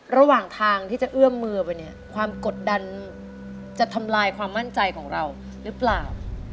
ระหว่างทางที่จะเอื้อมมือไปเนี่ยความกดดันจะทำลายความมั่นใจของเราหรือเปล่า